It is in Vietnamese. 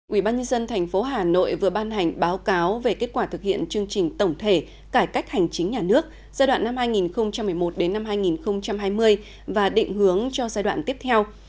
ubnd tp hà nội vừa ban hành báo cáo về kết quả thực hiện chương trình tổng thể cải cách hành chính nhà nước giai đoạn năm hai nghìn một mươi một hai nghìn hai mươi và định hướng cho giai đoạn tiếp theo